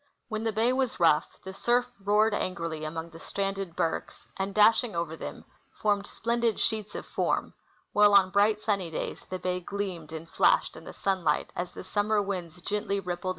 When the bay Avas rough, the surf roared angrily among the stranded bergs and, dashing over them, formed splendid, sheets of form ; Avhile on bright, sunny days the ba}^ gleamed and flashed in the sunlight as the summer Avinds gently rip])led Scenes of Tunlight Hours.